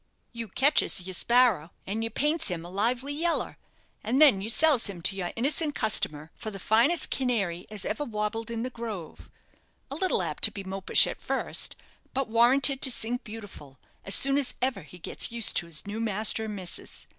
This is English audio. You ketches yer sparrer, and you paints him a lively yeller, and then you sells him to your innocent customer for the finest canary as ever wabbled in the grove a little apt to be mopish at first, but warranted to sing beautiful as soon as ever he gets used to his new master and missus.